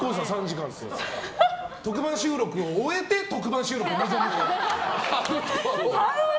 特番収録を終えて特番収録に臨むという。